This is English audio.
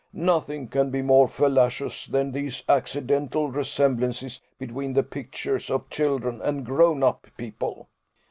Nothing can be more fallacious than these accidental resemblances between the pictures of children and of grown up people."